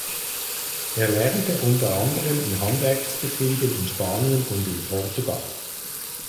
Er lernte unter anderem in Handwerksbetrieben in Spanien und in Portugal.